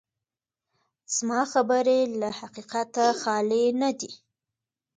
زما خبرې له حقیقته خالي نه دي.